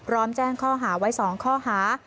พร้อมแจ้งข้อหาไว้๒ข้อหา